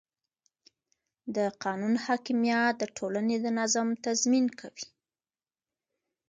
د قانون حاکمیت د ټولنې د نظم تضمین کوي